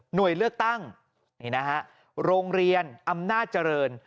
เลือกตั้งนี่นะฮะโรงเรียนอำนาจเจริญ